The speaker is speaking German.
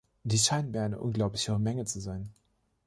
Dies scheint mir eine unglaublich hohe Menge zu sein.